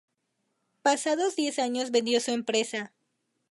Pasados diez años vendió su empresa.